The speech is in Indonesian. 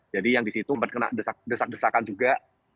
jadi yang di situ mampat kena desak desakan juga